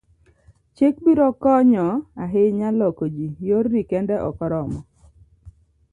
chik biro konyo ahinya loko ji, yorni kende ok oromo